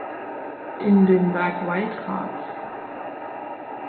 In dem Werk „Wildcards.